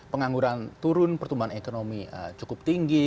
pengangguran turun pertumbuhan ekonomi cukup tinggi